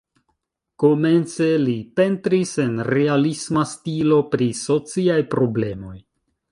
Komence li pentris en realisma stilo pri sociaj problemoj.